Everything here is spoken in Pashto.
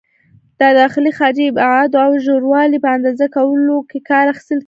د داخلي، خارجي ابعادو او د ژوروالي په اندازه کولو کې کار اخیستل کېږي.